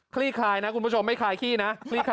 ลี่คลายนะคุณผู้ชมไม่คลายขี้นะ